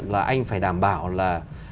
là anh phải đảm bảo là